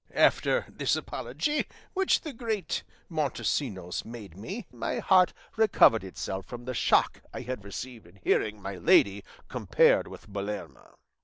After this apology which the great Montesinos made me, my heart recovered itself from the shock I had received in hearing my lady compared with Belerma."